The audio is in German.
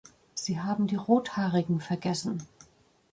Sie haben die Rothaarigen vergessen!